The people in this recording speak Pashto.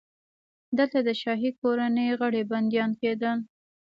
دلته د شاهي کورنۍ غړي بندیان کېدل.